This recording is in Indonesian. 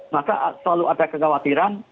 maka selalu ada kekhawatiran